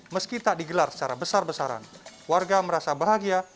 meski tak digelar secara besar besaran warga merasa bahagia